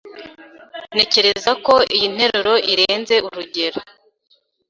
Ntekereza ko iyi nteruro irenze urugero.